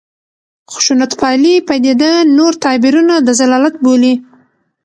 خشونتپالې پدیده نور تعبیرونه د ضلالت بولي.